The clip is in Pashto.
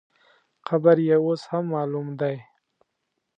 قبر یې اوس هم معلوم دی.